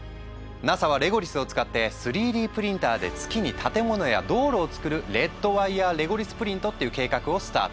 ＮＡＳＡはレゴリスを使って３Ｄプリンターで月に建物や道路を造る「レッドワイヤーレゴリスプリント」っていう計画をスタート。